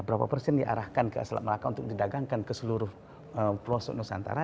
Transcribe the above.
berapa persen diarahkan ke selat melaka untuk didagangkan ke seluruh pelosok nusantara